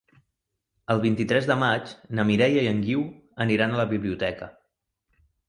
El vint-i-tres de maig na Mireia i en Guiu aniran a la biblioteca.